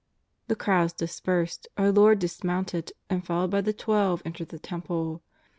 The crowds dispersed, our Lord dismounted, and followed by the Twelve entered the Temple.